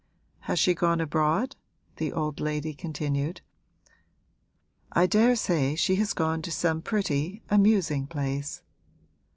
Has she gone abroad?' the old lady continued. 'I daresay she has gone to some pretty, amusing place.'